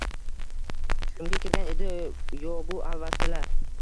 Tushimga kirgan yo bu alvastilar